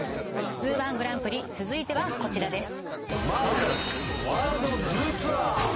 ＺＯＯ−１グランプリ続いてはこちらです